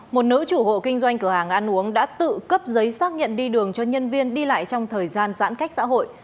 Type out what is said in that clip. một nữ chủ hộ kinh doanh cửa hàng ăn uống đã tự cấp giấy xác nhận đi đường cho nhân viên đi lại trong thời gian giãn cách xã hội